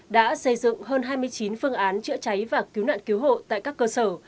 đã xây dựng hơn hai mươi chín phương án chữa cháy và cứu nạn cứu hộ tại các cơ sở